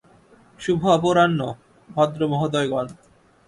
শুভ অপরাহ্ন, ভদ্র মহোদয়গণ।